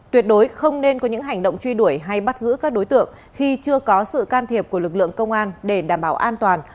tuyệt đối không nên có những hành động truy đuổi hay bắt giữ các đối tượng khi chưa có sự can thiệp của lực lượng công an để đảm bảo an toàn